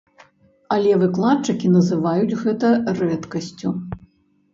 Але выкладчыкі называюць гэта рэдкасцю.